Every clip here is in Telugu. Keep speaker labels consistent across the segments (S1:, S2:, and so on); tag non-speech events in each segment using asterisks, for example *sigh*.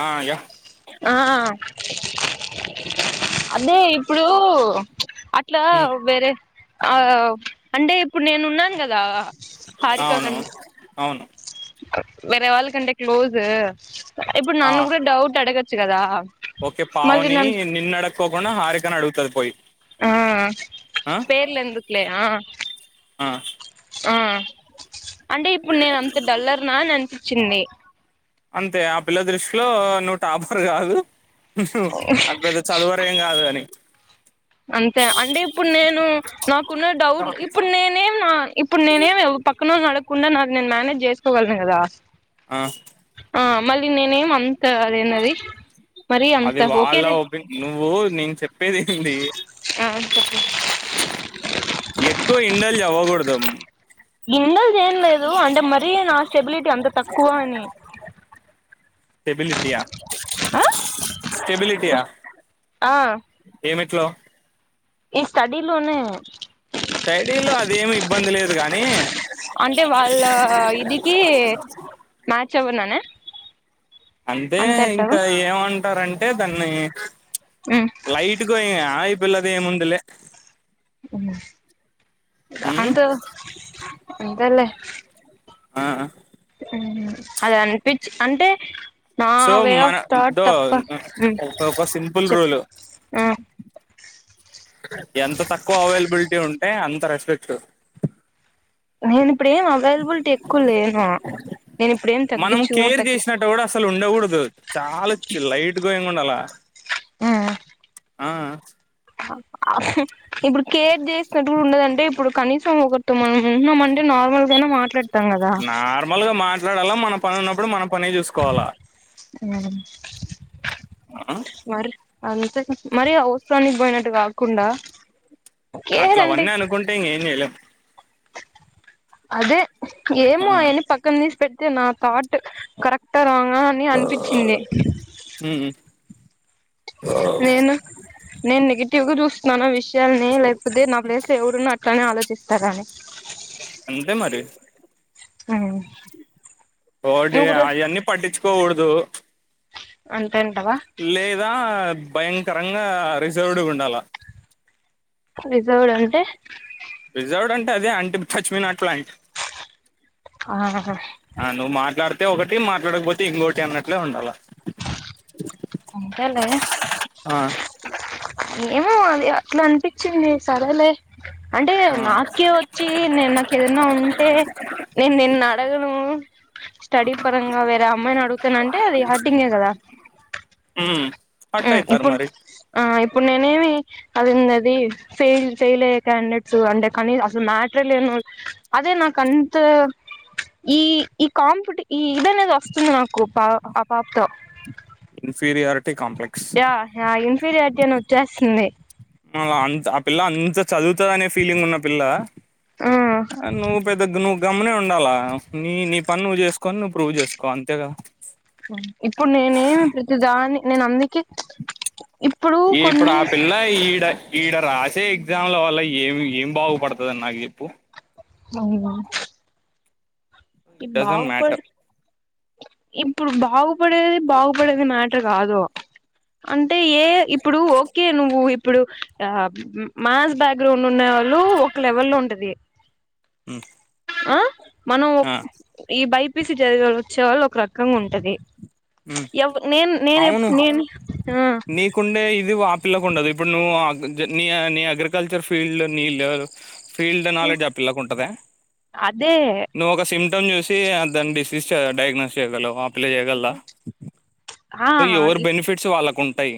S1: ఆహ్ యా.
S2: ఆహ్. అదే ఇప్పుడు అట్లా
S1: ఉమ్,
S2: వేరే. ఆహ్ అంటే ఇప్పుడు నేను ఉన్నాను కదా. ఆహ్ హారిక
S1: అవును
S2: కన్.
S1: అవును
S2: వేరే వాళ్ళ కంటే క్లోస్. ఇప్పుడు
S1: ఆ,
S2: నన్న కూడా డౌట్ అడగో రామ్.
S1: ఓకే పావని నిన్ను అడుకోకుండా హారికని అడుగుతది పోయి.
S2: ఆ
S1: ఆ
S2: పేర్లెందుకులే ఆ
S1: ఆ
S2: ఆ అంటే ఇప్పుడు నేను అంత డల్లర్నా ననుపి చిన్ని
S1: అంతే ఆ పిల్ల దృష్టిలో నువ్వు టాపర్ కాదు హు హు అంత పెద్ద చదువర ఏం కాదు అని
S2: అంతే అంటే ఇప్పుడు నేను నాకున్న డౌట్, ఇప్పుడు నేనేం నా ఇప్పుడు నేనే పక్కన అడుగు కాకుండా నాది నేను మేనేజ్ చేసుకోగలను కదా.
S1: ఆ
S2: ఆ మళ్ళీ నేనేమి అంత అదేనది మరి అంత
S1: అది
S2: ఒకే
S1: వాళ్ళ
S2: లె
S1: ఒపి నువ్వు నేను చెప్పేది ఏంటి
S2: చెప్పు
S1: కుదం
S2: ఇన్న ఏం లేదు అంటే మరీ నా స్టెబిలిటీ అంత తక్కువ అని.
S1: స్టెబిలిటీయా స్టెబిలిటీయా జో
S2: ఈ స్టడీ లోనే
S1: నే
S2: అంటే వాళ్ళ ఇదికి మ్యాచ్ అవ్వననా
S1: అంటే ఇంకా ఏమంట అంటారంటే దాన్ని లైట్ కోయి ఇ పిల్ల దె ముందలే
S2: అవు *unintelligible*
S1: ఉమ్
S2: అంత అంతేలే
S1: ఆ
S2: అది అనిపించి అంటే నా
S1: సో
S2: వె
S1: మన
S2: ఆఫ్ తాట్
S1: దో
S2: తప్ప
S1: ఒక సింపుల్
S2: చెప్ప
S1: రూల్ ఎంత తక్కువ అవైలబిలిటీ ఉంటే, అంత రెస్పెక్ట్.
S2: నేను ఇప్పుడ ఏం అవైలబిలిటీ ఎక్కువ లేను. నేను ఇప్పుడేం
S1: మనం
S2: తగ్గించు
S1: కేర్
S2: త
S1: చేసినట్టు కూడా అసలు ఉండకూడదు చాలా లైట్ గోయింగ్ ఉండాల
S2: ఆ
S1: ఆ
S2: ఇప్పుడు కేర్ చే ఉండదంటే ఇప్పుడు కనీసం కతు మ *unintelligible* ఉన్నాం అంటే నార్మల్గానే మా
S1: నార్మల్గా మా *unintelligible* మనం పనున్నప్పుడు మనం పనే చూసుకోవాలా
S2: *inaudible* వారి అంతేగ మరీ అవుసరానికి బోయినట్టు గాకుండా
S1: అట్ల అవన్నీ అనుకుంటే ఇంగేం జేలేం
S2: అదే ఏమో ఆయన్ని పక్కన తీసి పెట్ తే నా థాట్ కరెక్టా రాంగ్ ఆ అని అనిపిచ్చింది
S1: ఉమ్
S2: నేను నేను నెగిటివ్గా జూస్ స్నాన విష్ *unintelligible* లేక్పోతే నా ప్లేస్లో ఎవరున్నా ట్టానే ఆలోచిస్తారా అని
S1: అంతే మరి వోడి
S2: నువ్వు కూడా
S1: ఆయన్నీ పట్టిచ్ కోకూడుదు
S2: అం
S1: లేదా భయంకరంగా రిజర్వ్డ్ వుండాల
S2: రిజౌడ్ అంటే
S1: రిజర్వ్డ్ అంటే అదే అంటే టచ్ మీ నాట్ ప్లాంట్
S2: ఆహ
S1: అయితే ఒకటి మాట్లాడకపోతే ఇంకోటి అన్నట్లే ఉండాల
S2: అంతలే
S1: ఆ
S2: ఏమో అది ఇట్లా అనిపించింది సరలే అంటే నాకే వచ్చి నేను నాకు ఏదనా ఉంటే నేను నిన్న అడగను స్టడీ పరంగా వేరే అమ్మాయిని అడుగుతానంటే అది హర్టింగే కదా
S1: హ
S2: ఇప్పుడు ఆ ఇప్పుడు నేనేమి అదిందిది ఫెయిల్ ఫెయిల్ అయ్యే క్యాండేట్స్ అంటే కనీ అసలు మ్యాటర్ లేను అదే నాకు అంత ఈ ఈ కాంపిటి ఈ ఇద అనేది వస్తుంది నాకు పా ఆ పాపతో
S1: ఇన్ఫీరియర్ కాంప్లెక్స్
S2: ఫిర్యాదు చెయ్యన్ వచ్చేస్తుంది
S1: మ అంత ఆ పిల్ల అంత చదువుత దనే ఫీలింగ్ ఉన్న పిల్ల
S2: ఆ
S1: ఆ నువ్వు పెద్ద నువ్వు గమ్మునే ఉండాలా నీ నీ పని నువ్వు చేసుకోని నువ్వు ప్రూవ్ చేసుకో అంతేగా
S2: ఇప్పుడు నేనేమి ప్రతి దాని నేన్ అందుకే ఇప్పుడు
S1: ఈ ఇప్పుడు
S2: కొన్ని
S1: ఆ పిల్ల ఈడ ఈడ రాసే ఎఎగ్జామ్ ల వల్ల ఏమి ఏం బాగు పడుతది అన్ నాకు చెప్పు
S2: అవును ఇ
S1: డజంట్
S2: బావుపడ్
S1: మ్యాటర్
S2: ఇప్పుడు బావ్ పడేది బాగుపడేది మ్యాటర్ కాదు అంటే అంటే ఏ ఇప్పుడు ఓకే నువ్వు ఇప్పుడు ఆ మ్యాస్ బ్యాక్గ్రౌండ్ ఉండే వాళ్ళు ఒక లెవెల్ లో ఉంటది
S1: హుమ్
S2: ఆ మనం ఈ బై పిసి చదివేవాళ్ వచ్చే వాళ్ళు ఒక రకంగా ఉంటది ఎవ్ నేను నేను ఎప్
S1: అవును
S2: నేను ఉ
S1: నీకుండే ఇది ఆ పిల్లకు ఉండదు ఇప్పుడు నువ్వు నీ నీ అగ్రికల్చర్ ఫీల్డ్ నీ లె ఫీల్డ్ నాలెడ్జ్ ఆ పిల్లకుంటద
S2: అదే
S1: నువ్వు ఒక సిమ్టమ్ చూసి అ దన్ డిస్ నిశ్ డైగ్నస్ చేయగలవా లేయగలదా
S2: ఆ
S1: సో ఎవరు బెనిఫిట్స్ వాళ్ళకు ఉం టయ్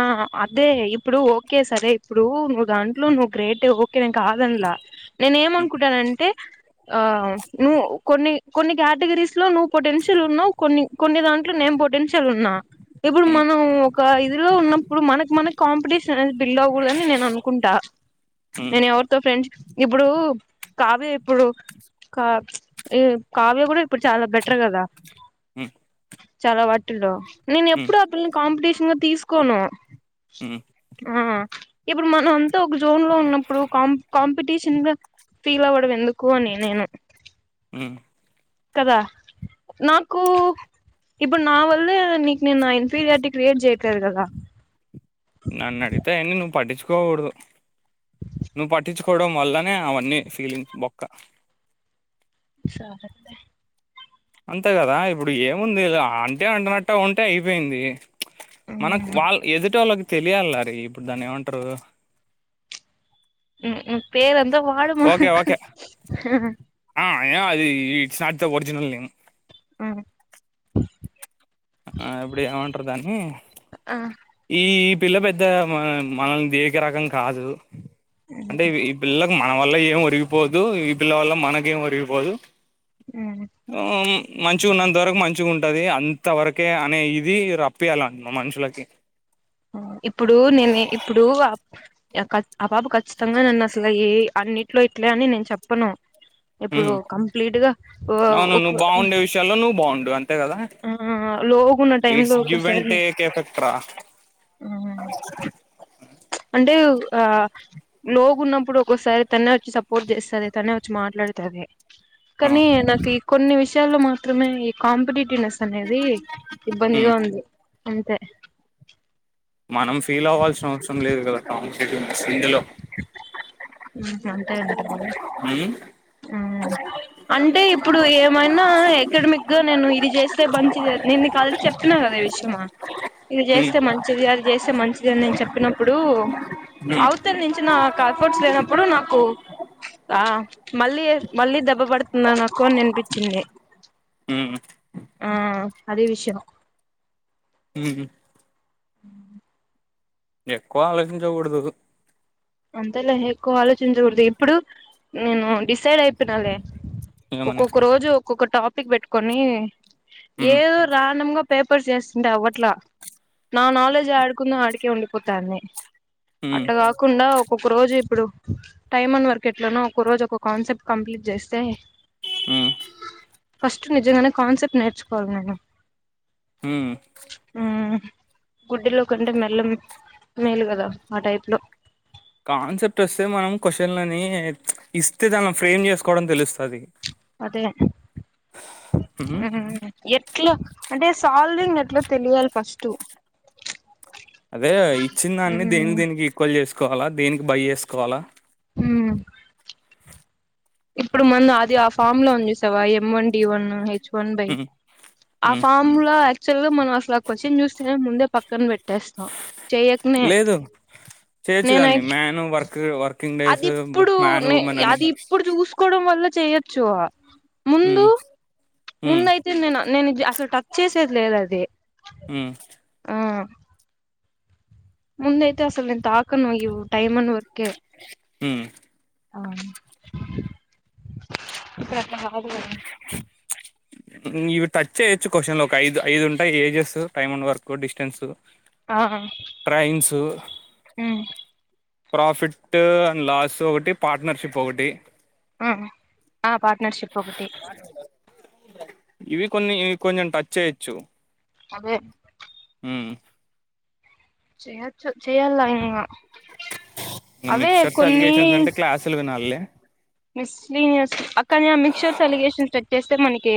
S2: ఆ అదే ఇప్పుడు ఓకే సరే ఇప్పుడు నువ్వు దాంట్లో నువ్ గ్రేటు నేను కాదన్ల నేను ఏమనుకుంటానంటే ఆ నువ్వు కొన్ని కొన్ని కేటగిరీస్ లో నువ్ పొటెన్షియల్ ఉన్నావ్ కొన్ని కొన్ని దాంట్లో నేను పొటిన్షల్ ఉన్నా ఇప్పుడు
S1: ఉమ్,
S2: మనం ఒక లో ఉన్నప్పుడు మనక్ మనక్ కాంపిటేషన్ బిల్ అవకూడదని నేను అనుకుంటా
S1: ఉమ్,
S2: నేను ఎవరితో ఫ్రెండ్స్ ఇప్పుడు కావ్య ఇప్పుడు కా ఏ కావ్య గుడా ఇప్పుడు చాలా బెటర్ కదా
S1: ఉమ్,
S2: చాలా వాటిలో నేను
S1: ఉమ్,
S2: ఎప్పుడు ఆ పిల్లని కాంపిటీషన్ తీసు కోను
S1: ఉమ్,
S2: ఆ ఇప్పుడు మనం అంతా ఒక జోన్ లో, ఉన్నప్పుడు కాంపి కాంపిటీషన్ గా ఫీల్ అవ్వడం ఎందుకు అని నేను
S1: ఉ
S2: కదా నాకు ఇప్పుడు నా వల్లే నీకు నేను నా ఇన్ఫీరియారిటీ క్రియేట్ చేయట్ తెరుగదా
S1: నన్ను అడిగితే యినా పట్టించుకోను కోగూడదు పట్టించుకు కోవడం వల్లనే అవన్నీ ఫీలింగ్స్ బొక్క
S2: సరొద్దే
S1: అంతే కదా ఇప్పుడు ఏముంది. అంటే అంటునట్టు ఉంటే అయిపోయింది. మనకు వాళ్ళ ఎదుటి వో ళ్ళకి తెలియాలి హరి ఇప్పుడు దాన్ని ఏమంటారు.
S2: ఉ పేరుంతా వాడుమా ఆ
S1: అయినా అది ఇట్స్ నాట్ ఒరిజినల్ నేమ్
S2: ఉహు
S1: ఆ ఇప్పుడు ఏమంటారు దాన్ని
S2: ఆ
S1: ఈ ఈ పిల్ల పెద్ద మన మనల్ ని దేకే రకం కాదు అంటే ఇవి పిల్లను మన వల్ల ఏం ఒరిగిపోదు. ఇ పిల్ల వల్ల మనకేం ఒరిగిపోదు. ఆహమ్ మంచిగా ఉన్నంతవరకు మంచిగా ఉంటుంది. అంతవరకే అనే ఇది రప్పియాల మా మనుషులకి.
S2: ఇప్పుడు నేనే ఇప్పుడు ఆ ప్ బాబు ఇష్టంగా తిన్నా అసలు ఏ యి అన్నిట్లో ఇట్లే అని నేను చెప్పను ఇప్పుడు
S1: హ్మ్.
S2: కంప్లీట్ గా
S1: అవును.
S2: ఒక
S1: నువ్వు బాగుండే విషయాల్లో నువ్వు బాగుండు అంతే కదా!
S2: ఆ లోగున్న టైం లో
S1: ఇట్స్
S2: ఒకొ
S1: గివ్ అండ్
S2: సారి
S1: టేక్ ఎఫెక్ట్ రా.
S2: అంటే ఆ లోగు ఉన్నప్పుడు ఒక్కోసారి తనే వచ్చి సపోర్ట్ చేస్తది. తనే వచ్చి మాట్లాడుతది.
S1: ఆ!
S2: కనీ నాకు ఈ కొన్ని విషయాల్లో మాత్రమే ఈ కాంపిటీట్ నెస్ అనేది
S1: హ్మ్.
S2: ఇబ్బందిగా ఉంది. అంతే
S1: మనం ఫీల్ అవ్వాల్సిన అవసరం లేదు కదాక్కా సింగ్ లో
S2: ఉంటదంట బాబో అంటే ఇప్పుడు ఏమైనా ఎకడమిక్ గా నేను ఇది చేస్తే మంచిది నేను నీకి ఆల్రెడీ చెప్పిన కదా ఈ విషయము ఇది
S1: హ్మ్.
S2: చేస్తే మంచిది అది చేస్తే మంచిది అని నేను చెప్పినప్పుడు
S1: హ్మ్.
S2: అవతల నుంచి నా కా *unintelligible* ఫ్రూట్స్ లేనప్పుడు నాకు ఆ మళ్ళీ మళ్ళీ దెబ్బ పడుతుందా నాకు అని అనిపించింది
S1: హ్మ్
S2: ఆ అది విషయం
S1: ఉ
S2: *inaudible*
S1: ఎక్కువ ఆలోచించకూడదు
S2: అంతేలే ఎక్కువ ఆలోచించకూడదు ఇప్పుడు నేను డిసైడ్ అయిపోయినాలే
S1: ఏమని
S2: ఒక్కొక్కరోజు ఒక టాపిక్ పెట్టుకొనీ
S1: హ్మ్
S2: ఏదో రాండమ్ గ పేపర్స్ చేస్తుంటే అవ్వట్లా నా నాలెడ్జ్ యాడుకుందో ఆడికే ఉండిపోతాంది
S1: హ్మ్
S2: అట్ల కాకుండా ఇప్పుడు టైమ్ అండ్ వర్క్ ఎట్లానో ఒక రోజు ఒక కాన్సెప్ట్ కంప్లీట్ చేస్తే
S1: ఉమ్
S2: ఫస్ట్ నిజంగానే కాన్సెప్ట్ నేర్చుకోవాలి నేను
S1: ఉమ్
S2: మ్ గుడ్డిలో కంటే మెల్ల మేలు కదా ఆ టైప్ లో
S1: కాన్సెప్ట్ వస్తే మనం కొషన్లని ఇస్తే దానిలో ఫ్రేమ్ చేసుకోవడం తెలుస్తది
S2: అదే
S1: హ్మ్
S2: ఎ ఎట్లా అంటే సాల్వింగ్ ఎట్లా తెలియాలి ఫస్ట్
S1: అదే ఇచ్చిన దాన్ని
S2: మ్
S1: దేనికి దేనికి ఈక్వల్ చేసుకో వాలా దేనికి బై చేసుకోవాలా
S2: ఉ ఇప్పుడు మన అది ఆ ఫామ్ లో ఉంది చుసావ ఎం వన్ డి వన్ న్ *unintelligible* భయి
S1: హ్మ్
S2: ఆ
S1: హ్మ్
S2: ఫామ్ లో ఏ యాక్చుయెల్ గ మనం అసలు ఆ క్వషన్ చూస్తే నే ముందే పక్కన పెట్టేస్తాం చెయ్యకనే
S1: లేదు
S2: నేనై
S1: చేయచ్చుదాన్ని మ్యాను వర్క్ వర్కింగ్
S2: అది
S1: డేస్
S2: ఇప్పుడు
S1: మ్యాన్
S2: నే
S1: ఉమెన్ అని
S2: అది ఇప్పుడు చూసుకోవడం వల్ల చేయచ్చు ముందు
S1: హ్మ్ హ్మ్
S2: ముందు అయితే నేను నేను అసలు ట చేసేది లేదు అది
S1: ఉమ్
S2: ఉమ్ ముంద అయితే అసలు నేను తాకను ఇవ్ టైమ్ అను
S1: ఉమ్
S2: ఆ ఇప్పుడు అట్లా కాదు కదా
S1: ఇవి టచ్చేయొచ్చు క్వశ్చన్లు ఒక ఐదు ఐదు ఉంటాయి ages time and work distance
S2: ఆహ్
S1: ట్రైన్స్
S2: ఊ
S1: ప్రాఫిట్ అండ్ లాస్ ఒకటి పార్ట్నర్షిప్ ఒకటి
S2: ఊహు ఆ పార్ట్నర్షిప్ ఒకటి
S1: ఇవి కొన్ని ఇవి కొంచెం టచ్ చేయచ్చు
S2: అదే
S1: ఊ
S2: చేయచ్చు చేయాల్ల ఇంగ
S1: ఇంగ మిక్చర్స్
S2: కొన్ని
S1: అలిగేషన్స్ అంటే క్లాసులు వినాలిలే
S2: *unintelligible* కాని ఆహ్ మిక్చర్స్ అలిగేషన్ సెట్ చేస్తే మనకి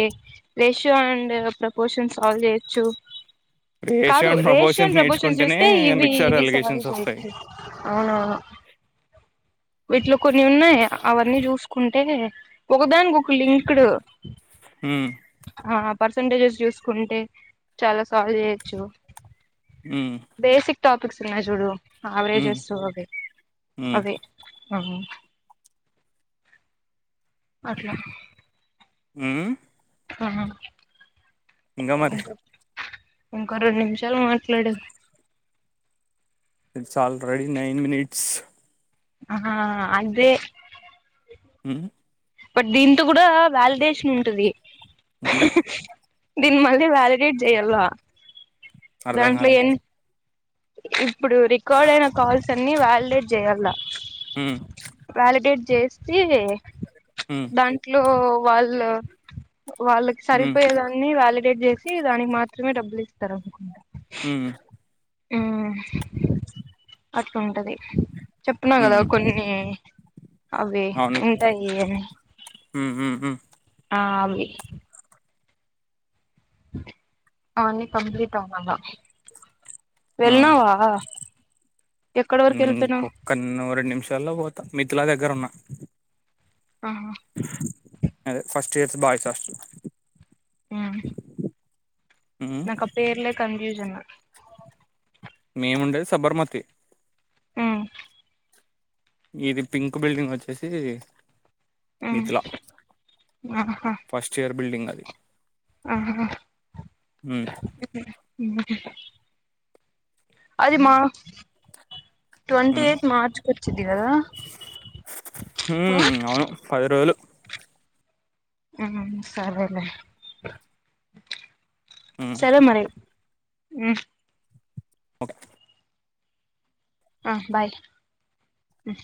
S2: రేషియో అండ్ ప్రపోషన్ సాల్వ్ చేయొచ్చు.
S1: రేషియో
S2: కాదు
S1: అండ్ ప్రపోర్షన్స్
S2: రేషన్ ప్రభోచన్
S1: నేర్చుకుంటేనే
S2: చూస్తే ఇవి
S1: మిక్సర్
S2: ఇవి సాల్వ్
S1: అలిగేషన్స్ వస్తాయి
S2: చేయొచ్చు అవును అవును వీట్లో కొన్ని ఉన్నాయి ఆ అవన్నీ చూసుకుంటే ఒకదానికి ఒక లింక్డు
S1: ఉమ్
S2: పర్సంటేజెస్ చూసుకుంటే చాలా సాల్వ్ చేయొచ్చు
S1: ఊ
S2: టాపక్స్ ఉన్నాయి జూడు ఆవరేజస్ ఓకె
S1: ఉమ్
S2: అవే అవు అట్లా
S1: ఊం
S2: హా
S1: ఇంగ మరి
S2: ఇంకో రెండు నిమిషాలు మాట్లాడు
S1: it's all right nine minutes
S2: ఆ అంతే
S1: ఉం
S2: బట్ దీంతో కూడా వాలిడేషన్ ఉంటది
S1: అంటే
S2: *inaudible* దీన్ మళ్ళీ వ్యాలిడేట్ చెయల
S1: అర్ధంగాలే
S2: *inaudible* ఇప్పుడు రికార్డ్ అయిన కాల్స్ అన్ని వాలిడే డ్ చేయల్ల
S1: ఉమ్
S2: వాలిడేట్ చేస్తి
S1: ఉమ్
S2: దాంట్లో వాళ్ళ వాళ్ళకి
S1: ఉమ్
S2: సరిపోయేదాన్ని వ్యాలిడేట్ చేసి దానికి మాత్రమే డబ్బులు ఇస్త రకు
S1: హ
S2: మ్ అట్లూంటది చెప్న్ కదా
S1: ఉమ్
S2: కొన్ని అవి
S1: అవునులే
S2: ఉంటాయి అని
S1: ఉమ్ ఉమ్ ఉమ్
S2: ఆ ఎ అవనీ కంప్లీట్ అవాలా
S1: ఆ
S2: ఎక్కడి వరకు వెళ్ళిపోయినావ్
S1: ఇంకొక్కన్న రెండు నిమిషాల్లో పోతా మిథులా దగ్గర ఉన్న
S2: ఆ
S1: అదే ఫస్ట్ ఇయర్స్ బాయ్స్ హస్టల్ మ్మ్.
S2: నాక్ ఆ పేర్లే కన్ఫ్యూషన్
S1: మేముండెది సబర్మతి
S2: మ్
S1: ఇది పింక్ బిల్డింగ్ వచ్చేసి మిథిలా
S2: మ్ హ హు
S1: ఫస్ట్ ఇయర్ బిల్డింగ్ అది
S2: ఆహా హా
S1: మ్
S2: అది మా ట్వంటీ
S1: మ్మ్.
S2: ఎయిత్ మార్చ్కి వచ్చిది కదా ఆ
S1: మ్మ్. అవును పది రోజులు
S2: మ్ సరేలే
S1: మ్మ్.
S2: సరేమరి మ్
S1: ఒకె
S2: ఆ బాయ్ మ్